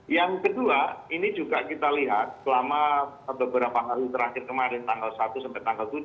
yang kedua ini juga kita lihat selama beberapa hari terakhir kemarin tanggal satu sampai tanggal tujuh